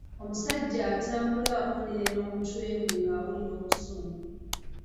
Omusajja atambula akoonerera omutwe gwe ng'awulira obusungu.